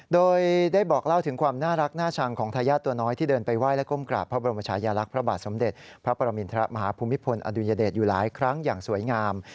โดยได้บอกเล่าถึงความน่ารักน่าชังของทายาทตัวน้อยที่เดินไปไห้และก้มกราบพระบรมชายลักษณ์พระบาทสมเด็จพระปรมินทรมาฮภูมิพลอดุญเดชอยู่หลายครั้งอย่างสวยงาม